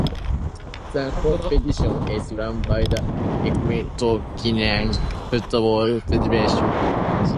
The competition is run by the Equatoguinean Football Federation.